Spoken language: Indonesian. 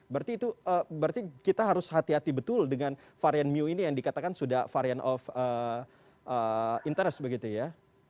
berarti kita harus hati hati betul dengan varian mu ini yang dikatakan sudah varian of interest begitu ya